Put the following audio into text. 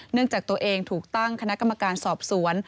จากตัวเองถูกตั้งคณะกรรมการสอบสวน